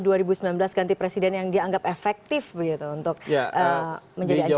kampanye dua ribu sembilan belas ganti presiden yang dianggap efektif untuk menjadi ancaman